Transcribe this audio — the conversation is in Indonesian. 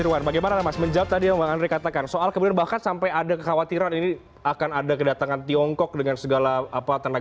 jadi kajiannya harus lebih dimatangkan